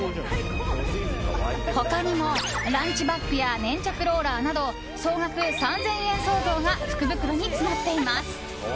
他にも、ランチバッグや粘着ローラーなど総額３０００円相当が福袋に詰まっています。